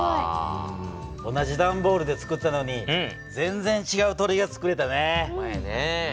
同じだんボールでつくったのに全然ちがう鳥がつくれたね。